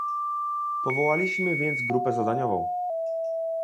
Powołaliśmy więc grupę zadaniową